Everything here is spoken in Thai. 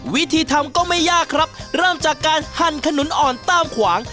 วิธีทำก็ไม่ยากครับเริ่มจากการหั่นขนุนอ่อนต้ามขวาง